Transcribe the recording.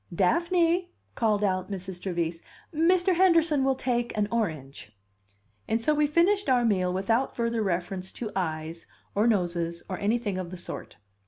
"Daphne!" called out Mrs. Trevise, "Mr. Henderson will take an orange." And so we finished our meal without further reference to eyes, or noses, or anything of the sort.